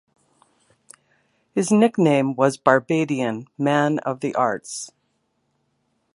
His nickname was "Barbadian Man of the Arts".